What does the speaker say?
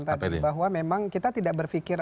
tadi bahwa memang kita tidak berpikir